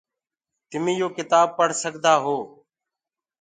تمي يو ڪتآب پڙه سڪدآ هي۔